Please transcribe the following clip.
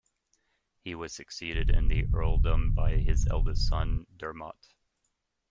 He was succeeded in the earldom by his eldest son, Dermot.